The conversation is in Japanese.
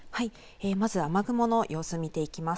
まず雨雲の様子を見ていきます。